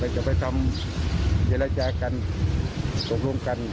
จะไปทำเย็นและแจกันตรงร่วมกัน